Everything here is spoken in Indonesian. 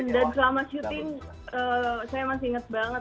dan selama syuting saya masih inget banget